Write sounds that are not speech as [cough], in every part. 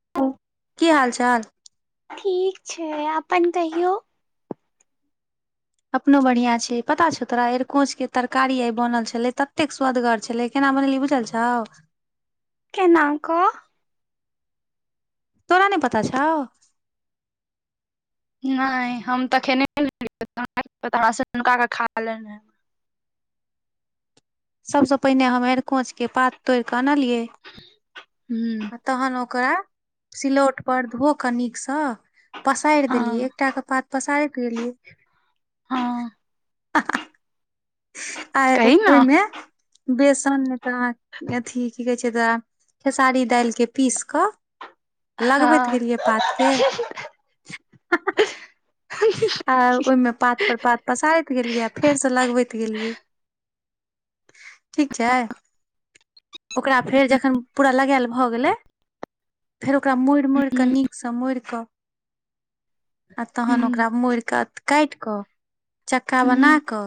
[inaudible] की हाल चाल। ठीक छैय अपन कहियौ। अपनो बढ़िया छैय पता छौ तोरा एर कोच के तरकारी आ बनल छले कतेक स्वदगर छले। केना बनैलिए बुझल छौ। केनाकऽ। तोरा नहि पता छौ। नहि हम तखेने [unintelligible] सभसँ पहिने हम एर कोचके पात तोड़ कऽ अनलियै। हू। आ तहन ओकरा सिलौट पर धो क निक सँ पसारि देलियै हँ एकटाके पात पसारि देलियै। हँ [inaudible] आ कही ने हँ ओहिमे बेसन तऽ अथी की कहे छैय तऽ। खेसारी दाइलके पीस कऽ ह ह लगबैत गेलियै पात के हां हां। [inaudible] आ ओहिमें पात पर पात पसारैत गेलियै आ फेर से लगबैत गेलियै। ठीक छै। ओकरा फेर जखन पूरा लगायल भऽ गेलै फेर ओकरा मोड़ि मोड़ि कऽ नीकसँ मोड़ि कऽ आ तखन ओ ओकरा मोड़िकऽ काटि कऽ चक्का ह बना कऽ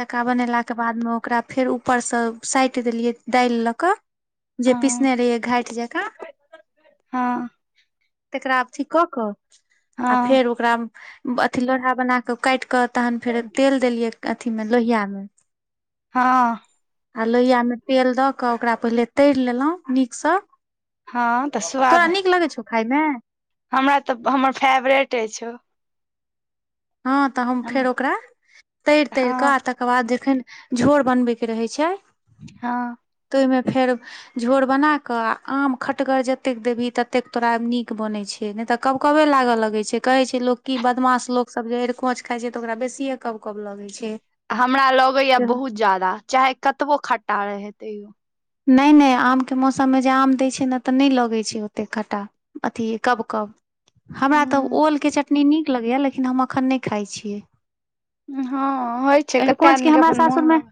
चक्का बनेलाके बादमे ओकरा फेर ऊपरसँ साटि देलियै दालि लऽ कऽ ह जे पिसने रहियै घाटि जकाँ हँ तकरा अथि कऽ कऽ आ फेर ओकरा अथि लोढ़ा बना कऽ काटि कऽ तखन फेर तेल देलियै अथि मे लोहिया मे हँ। आ लोहिया मे तेल दऽ कऽ ओकरा पहिले तरि लेलहुँ नीकसँ हँ तऽ स्वाद तोरा नीक लगै छौ खायमे हमरा तऽ हमर फेवरेट अछि ओ। हँ तऽ हम फेर हँ ओकरा तैर तैर के आ तख ओकर बाद जखन झोर बनबैके रहै छै हँ। तै मे फेर झोर बनाकऽ आ आम खटगर जतेक देबही ततेक तोरा नीक बनैत छै। ने तऽ कबकबे लागऽ लगे छै, कहे छै लोक कि बदमाश लोक सब जे एड़कोंच खाई छै तऽ ओकरा बेसिये कबकब लगै छै। छै। हमरा लगैये बहुत ज्यादा चाहे कतबो खट्टा रहे तैयो नै नै आमके मौसममे जे आम दैत छै ने तऽ नै लगैत छै ओतेक खट्टा अथि कबकब हमरा तऽ ह ओलके चटनी नीक लगैए लेकिन हम अखैन नै खाइत छियै। हँ होय छै कते अरिकोंच आदमी के हमरा अपन मोन सासुर मे लगै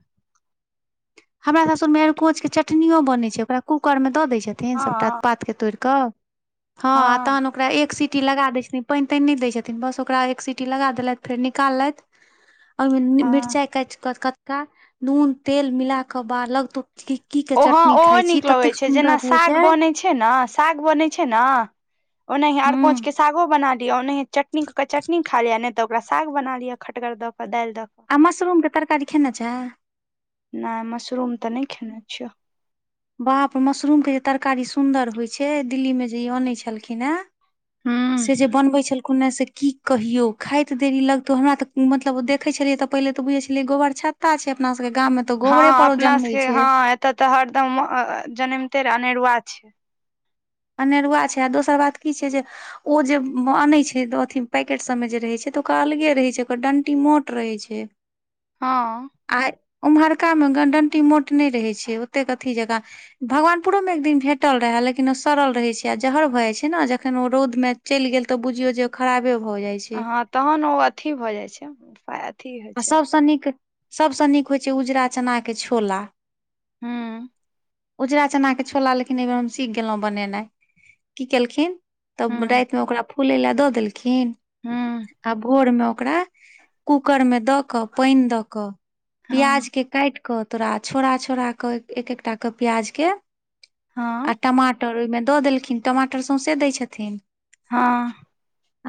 हमरा सासुरमे अरकोंच के चटनियो बनैत छै ओकरा कूकर मे दऽ दै छथिन थिन सबटा हँ पात के तोड़ि कऽ हं आ हँ तखैन ओकरा एक सीटी लगा दै छथिन पानि तानि नहि दै छथिन बस ओकरा एक सीटी लगा देलथि फेर निकाललथि [inaudible] ओहिमे हँ मिरचाइ काटि कऽ कचका नून तेल मिलााकऽ बा लगतौ कि ओ होँ ओहो नीक लगैत छै जेना रहे साग छै बनैत छै ने साग बनैत छै ने ओनैहे एरिकोंच हूँ के सागो बना लियअ आ नै त चटनी के चटनी खा लिय नहि तऽ ओकरा साग बना लियअ खटगर द के दालि द के आ मशरूम के तरकारी खेने छें? ना मशरूम तऽ नहि खेने छियो। बाप रे मशरूम के जे तरकारी सुन्दर होइ छै दिल्ली मे जे ई अनैत छलखिन हे से हूँ जे बनबै छल कोने से की कहिऔ खाइत देरी लगतौ हमरा तऽ मतलब ओ देखै छलियै तऽ पहिले तऽ बुझै छलियै गोबर छात छता छै अपना सबके गाममे हँ अपना सबके हँ एत तऽ हरदम जनमिते र अनेरुआ छै। अनेरुआ छै आ दोसर बात की छै जे ओ जे अनैत छथिन पैकेटसभमे जे रहैत छै तऽ ओकरा अलगे रहैत छै ओकर डंटी मोट रहैत छै। हँ। आ ओम्हरकामे डंटी मोट नहि रहैत छै ओतेक अथि जकाँ भगवानपुरोमे एक दिन भेटल रहै लेकिन ओ सड़ल रहे छै आ जहर भय जाय छै ने जखन ओ रोद में चलि गेल ते बुझियो जे खराबे भए जाय छै। हँ तहन ओ अथी भऽ जाइ छैय। आ सभसँ नीक सभसँ नीक होइ छै उजरा चनाके छोला हँ। उजरा चना के छोला लेकिन एहि बेर हम सीख गेलहुं बनेनाइ की केलखिन। तब हूँ रायतमे ओकरा फूलय ला द देलखिन हूँ आ भोर मे ओकरा। कूकर मे दकऽ पा‌इन द क प्याज हँ के कायट। क तोरा छोड़ा छोड़ा क एक एकटा क प्याज के हँ आ टमाटर। टर ओहि मे द देलखिन्ह टमाटर सौंसे दै छथिन। हं।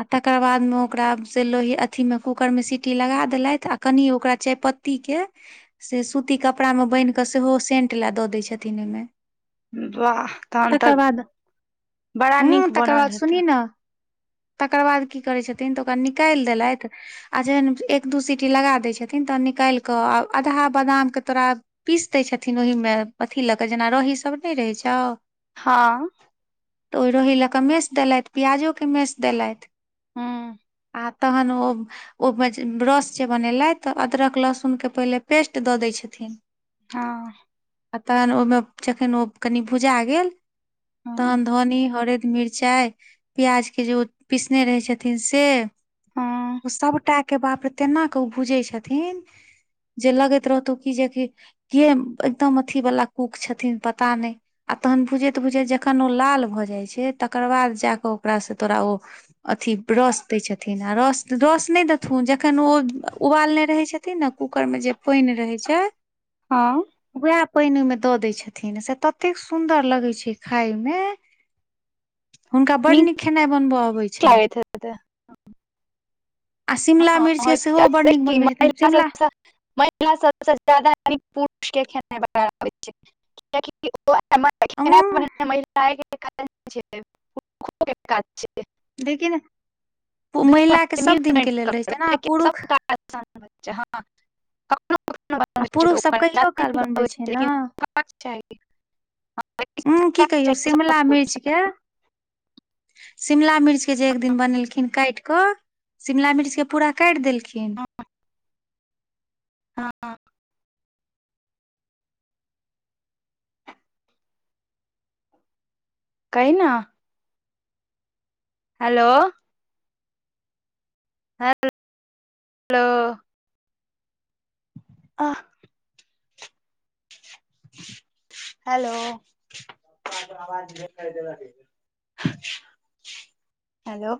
आ तकर बाद मे ओकरा से लोहि अथी मे कूकर मे सी। कुट्टी लगा देलैथ आ कनि ओकरा चायपत्ती के। से सूती कपड़ामे बान्हि क सेहो सेंट ला द दैत छथिन ओइमे। वाह तहन तऽ तकर बाद बड़ा ह नीक तकर बनल बाद हेतै सुनीह न। तकर बाद की करै छथिन त ओकरा निकायल देलैथ आ जेहन। एक दू सीटी लगा दै छथिन तहन निकायल क आ आधाह बादामके तोरा। पीस दैत छथिन ओहीमे अथि ल क जेना रहीसभ नहि रहै छौ। हं। त ओहि रही ल क मेस देलैथ प्याजोके मेस देलैथ। हूं। आ तहन ओ ओ। ब्रस जे बनेलैथ त अदरक लहसुन के पहिले पेस्ट द दै छथिन। हं। आ तहन ओहिमे जखन ओ कनि भुजा गेल तहन हँ धनी हरद मिर्च। चाय प्याज के जे ओ पिसने रहै छथिन से हँ ओ सबटा। के बाप रे तेना क ओ भुजै छथिन जे लगैत रहतौ की जेकी। एकदम अथी वाला कुक छथिन पता नहि। आ तहन भुजैत भुजैत जखन ओ लाल भ जाइ छै तकर बाद जा क ओकरास तोरा ओ। अथी रस दै छथिन आ रस रस नहि देथिन। ऊ जखन ओ उबालने रहै छथिन ने कूकर मे जे पाइन रहै छै। हं। उहे पाइन ओहिमे द दय छथिन से ततेक सुन्दर लगै छै खाय मे। हुनका बड नीक खेनाइ बनब आबै छैन। अ त। [unintelligible] आ शिमला मिर्च के सेहो बड नीक बनबै छथिन शिमला [unintelligible] महिला सब स ज्यादा साद पुष के खै छै। उं [unintelligible] कोन काज छै। लेकिन महिला के सब दिन के लेल रहे छै ने क पुरुष ब हँ। [unintelligible] कखनो कखनो आ बनबै छै तऽ ओ पुरुष सब कनि कहियो ज्यादा काल नीक बनबै लगै छै ने। लेकिन सिखबाक चाही हँ लेकिन उ की सिखबाक कहियौ चाही सब शिमला पुरुष मिर्च के। सबके शिमला मिर्चके जे एक दिन बनेलखिन कायट क शिमला मिर्चके। पूरा कायट देलखिन। हँ- हँ। कहुन। हेलोऊ। हेलोऊ। आह। Hello, [unintelligible] hello.